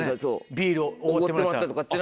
ビールおごってもらった。